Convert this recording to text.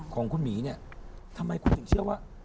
ของคุณหมีเนี่ยทำไมคุณถึงเชื่อว่า